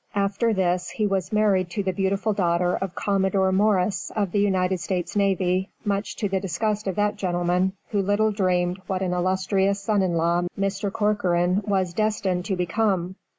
After this he was married to the beautiful daughter of Commodore Morris, of the United States Navy, much to the disgust of that gentleman, who little dreamed what an illustrious son in law Mr. Corcoran was destined to become.